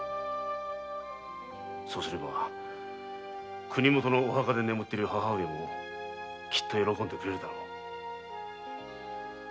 そうすれば国元のお墓で眠っている母上もきっと喜んでくれるだろう。